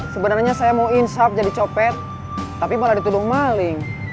sebenarnya saya mau insap jadi copet tapi malah dituduh maling